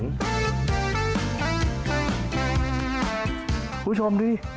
คุณผู้ชมดิ